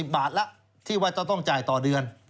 ๑๒๖๐บาทที่วัยต้องจ่ายต่อเดือน